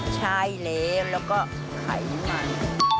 ใช่แล้วก็ไข่มัน